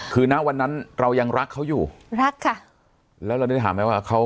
คือณวันนั้นเรายังรักเขาอยู่รักค่ะแล้วเราได้ถามไหมว่าเขา